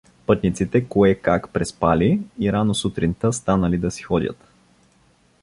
Пътниците кое-как преспали и рано сутринта станали да си ходят.